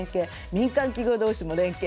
民間企業同士の連携。